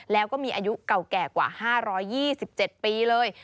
แล้วก็มีอายุเก่าแก่กว่า๕๒๗ปีเลย